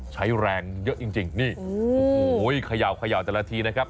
ใช้แรงเยอะจริงนี่โอ้โหเขย่าแต่ละทีนะครับ